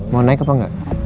mau naik apa enggak